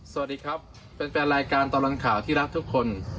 สวัสดีครับแฟนรายการตลอดข่าวที่รักทุกคน